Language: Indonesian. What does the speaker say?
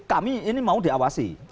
kami ini mau diawasi